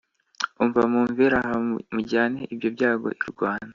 umva mumvire aha mujyane ibyo byago irwanda"